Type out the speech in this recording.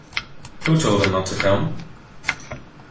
Who told him not to come?